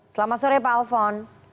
selamat sore pak alfon